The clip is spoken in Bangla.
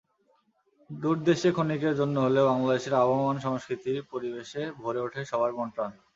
দূরদেশে ক্ষণিকের জন্য হলেও বাংলাদেশের আবহমান সংস্কৃতির পরিবেশে ভরে ওঠে সবার মন-প্রাণ।